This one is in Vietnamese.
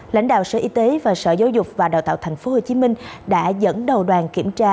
lãnh đạo sở y tế và sở giáo dục và đào tạo tp hcm đã dẫn đầu đoàn kiểm tra